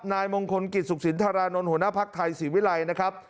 นายมงคลกิจสุขสินธารานนท์หัวหน้าภักดิ์ไทยศรีวิรัยนะครับ